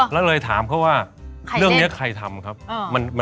ถ้าเธออยากจะเล่นเธอต้องไปแคสติ้งกับเค้า